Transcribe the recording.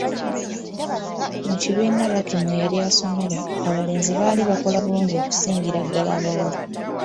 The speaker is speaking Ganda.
Mu kibiina Lucky mwe yali asomera, abalenzi baali bakola bulungi okusingira ddala abawala.